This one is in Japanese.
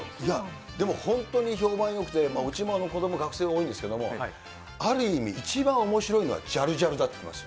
でも本当に評判よくて、うちの子どもも学生多いんですけども、ある意味、一番面白いのはジャルジャルだって言ってました。